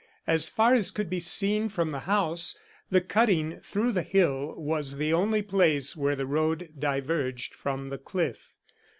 As far as could be seen from the house, the cutting through the hill was the only place where the road diverged from the cliff.